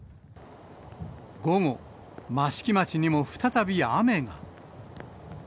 午後、益城町にも再び雨が。